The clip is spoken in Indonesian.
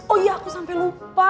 oh iya aku sampe lupa